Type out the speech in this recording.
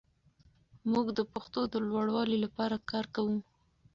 موږ د پښتو د لوړاوي لپاره کار کوو.